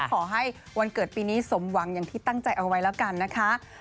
ขอให้วันเกิดปีนี้สมหวังอย่างที่ตั้งใจเอาไว้แล้วกันนะคะ